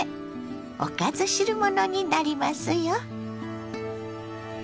おかず汁物になりますよ。